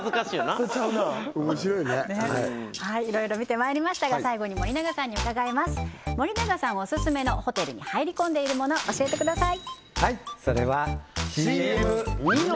それちゃうなおもしろいねいろいろ見てまいりましたが最後に森永さんに伺いますでは森永さんオススメのホテルに入り込んでるもの教えてください